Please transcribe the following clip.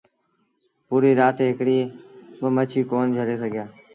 پوريٚ رآت هڪڙيٚ با مڇيٚ ڪون جھلي سگھيآ۔